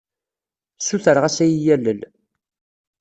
Ssutreɣ-as ad iyi-yalel.